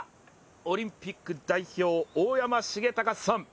オリンピック代表、大山重隆さん